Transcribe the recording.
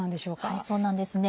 はい、そうなんですね。